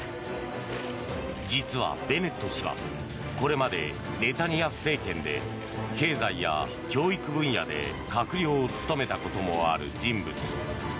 実はベネット氏はこれまでネタニヤフ政権で経済や教育分野で閣僚を務めたこともある人物。